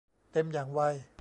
เต็มอย่างไว